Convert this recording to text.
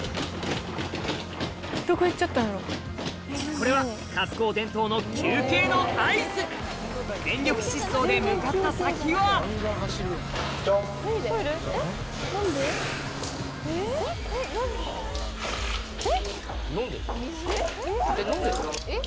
これは春高伝統の休憩の合図全力疾走で向かった先はえ！